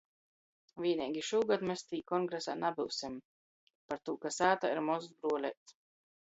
Vīneigi šūgod mes tī kongresā nabyusim, partū ka sātā ir mozs bruoleits.